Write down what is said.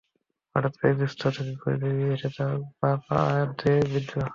হঠাৎ করে পিস্তল থেকে গুলি বেরিয়ে এসে তাঁর বাঁ হাতে বিদ্ধ হয়।